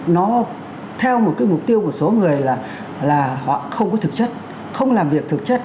nó theo một cái mục tiêu của số người là họ không có thực chất không làm việc thực chất